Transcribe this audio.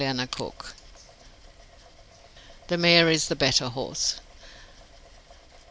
THE MAYOR IS THE BETTER HORSE.